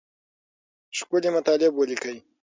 ښکلي مطالب ولیکئ.